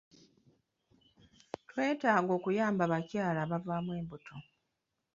Twetaaga okuyamba abakyala abavaamu embuto.